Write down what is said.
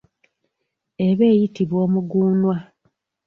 Eba eyitibwa omuguunwa.